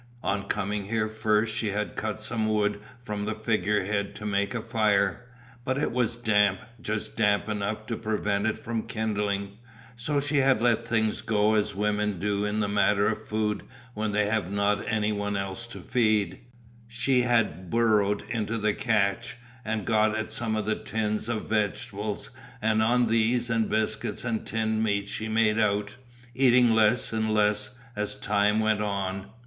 On coming here first she had cut some wood from the figure head to make a fire, but it was damp, just damp enough to prevent it from kindling, so she had let things go as women do in the matter of food when they have not any one else to feed; she had burrowed into the cache and got at some of the tins of vegetables and on these and biscuits and tinned meat she made out, eating less and less as time went on.